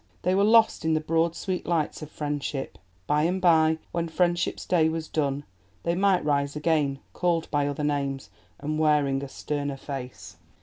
They were lost in the broad, sweet lights of friendship. By and by, when friendship's day was done, they might arise again, called by other names and wearing a sterner face.